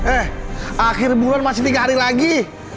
eh akhir bulan masih tiga hari lagi